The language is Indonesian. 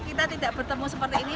kita tidak bertemu seperti ini